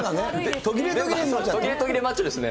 途切れ途切れマッチョですね。